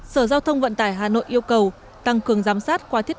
sở giao thông vận tài hà nội yêu cầu tăng cường giám sát qua thiết kế